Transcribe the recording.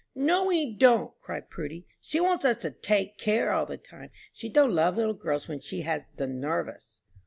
"No, we don't," cried Prudy; "she wants us to 'take care' all the time. She don't love little girls when she has 'the nervous.'"